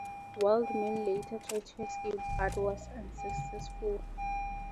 Wildman later tried to escape, but was unsuccessful.